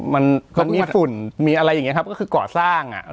มันมีฝุ่นมีอะไรอย่างนี้ครับก็คือก่อสร้างอ่ะ